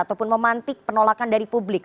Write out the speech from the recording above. ataupun memantik penolakan dari publik